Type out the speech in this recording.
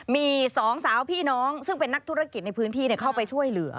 มีสองสาวพี่น้องซึ่งเป็นนักธุรกิจในพื้นที่เข้าไปช่วยเหลือ